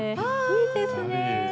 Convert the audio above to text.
いいですね。